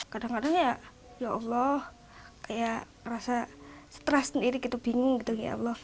kadang kadang ya allah kayak rasa stres sendiri bingung